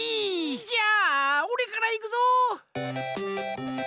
じゃあおれからいくぞ！